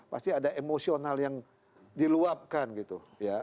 pasti ada emosional yang diluapkan gitu ya